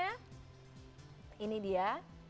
nah ini dia